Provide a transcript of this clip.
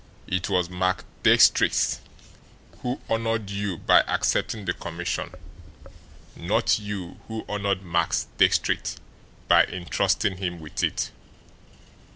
It was Max Diestricht who honoured you by accepting the commission; not you who honoured Max Diestricht by intrusting him with it.